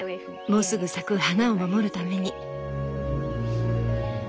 もうすぐ咲く花を守るために。